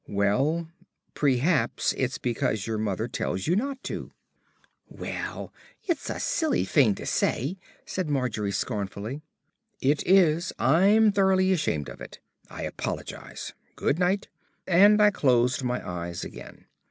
"Well prehaps it's because your mother tells you not to." "Well, 'at's a silly fing to say," said Margery scornfully. "It is. I'm thoroughly ashamed of it. I apologise. Good night." And I closed my eyes again....